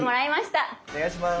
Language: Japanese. お願いします！